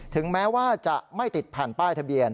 ถึงแม้ว่าจะไม่ติดแผ่นป้ายทะเบียน